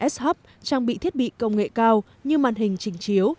s hop trang bị thiết bị công nghệ cao như màn hình trình chiếu